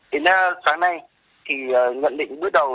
thì sáng nay thì nhận định bước đầu